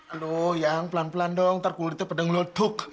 aduh yang pelan pelan dong ntar kulitnya pedeng lu tuk